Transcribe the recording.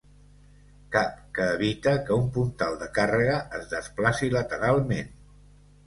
Cap que evita que un puntal de càrrega es desplaci lateralment.